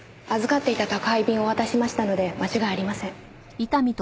預かっていた宅配便をお渡ししましたので間違いありません。